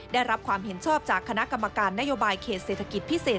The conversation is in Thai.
ได้รับความเห็นชอบจากคณะกรรมการนโยบายเขตเศรษฐกิจพิเศษ